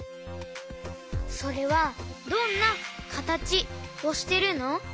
それはどんなかたちをしてるの？